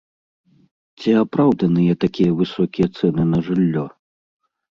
Ці апраўданыя такія высокія цэны на жыллё?